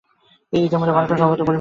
ইতোমধ্যে ভারতের সর্বত্র পরিভ্রমণ করিলাম।